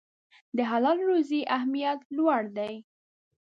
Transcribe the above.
د حلالې روزي اهمیت لوړ دی.